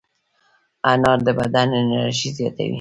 انار د بدن انرژي زیاتوي.